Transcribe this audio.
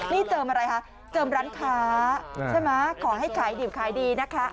นี่เจิมอะไรคะเจิมร้านค้าใช่ไหมขอให้ขายดิบขายดีนะคะ